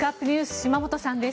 島本さんです。